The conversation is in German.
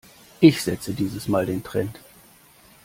Ich setze dieses mal den Trend.